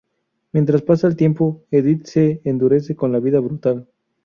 Mientras pasa el tiempo, Edith se endurece con la vida brutal.